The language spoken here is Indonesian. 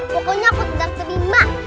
pokoknya aku tidak terima